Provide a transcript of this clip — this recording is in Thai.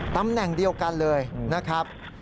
ตำแหน่งเดียวกันเลยนะครับ